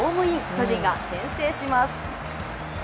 巨人が先制します。